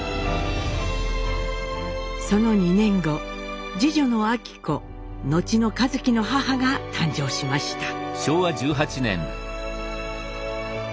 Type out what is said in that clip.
その２年後次女の昭子後の一輝の母が誕生しました。